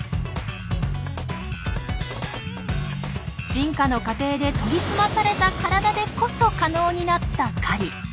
進化の過程で研ぎ澄まされた体でこそ可能になった狩り。